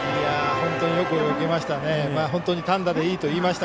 本当によくよけました。